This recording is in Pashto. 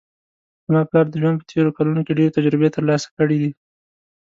زما پلار د ژوند په تېرو کلونو کې ډېر تجربې ترلاسه کړې ده